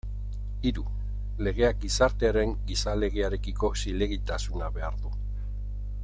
Hiru, legeak gizartearen gizalegearekiko zilegitasuna behar du.